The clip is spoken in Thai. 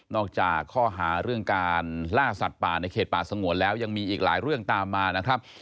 จากข้อหาเรื่องการล่าสัตว์ป่าในเขตป่าสงวนแล้วยังมีอีกหลายเรื่องตามมานะครับ